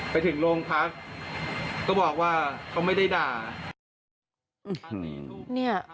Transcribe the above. ไปถึงโรงพักก็บอกว่าเขาไม่ได้ด่า